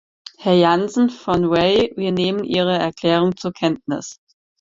Herr Janssen von Raay, wir nehmen Ihre Erklärung zur Kenntnis.